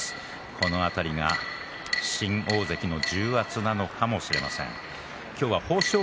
この辺り新大関の重圧なのかもしれません。